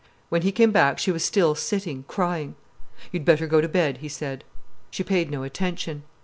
When he came back she was still sitting crying. "You'd better go to bed," he said. She paid no attention.